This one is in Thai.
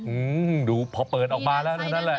อืมดูพอเปิดออกมาแล้วเท่านั้นแหละ